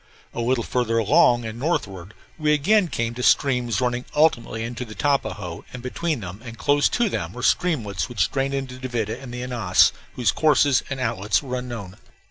A little farther along and northward we again came to streams running ultimately into the Tapajos; and between them, and close to them, were streamlets which drained into the Duvida and Ananas, whose courses and outlets were unknown.